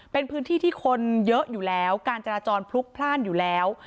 เป็นพื้นที่ที่คนเยอะอยู่แล้วการจราจรพลุกพลาดอยู่แล้ว